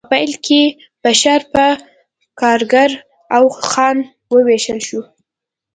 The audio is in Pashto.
په پیل کې بشر په کارګر او خان وویشل شو